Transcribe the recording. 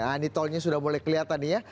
ini tolnya sudah mulai kelihatan nih ya